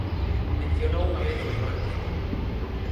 Mencionou unha vez o Bipartito.